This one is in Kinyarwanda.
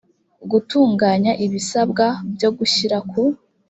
gutunganya ibisabwa byo gushyira ku